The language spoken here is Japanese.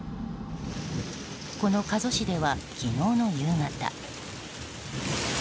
この加須市では昨日の夕方。